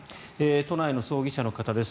都内の葬儀社の方です。